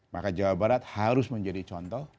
maka jawa barat harus menjadi contoh